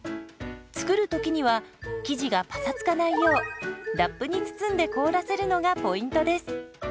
作る時には生地がパサつかないようラップに包んで凍らせるのがポイントです。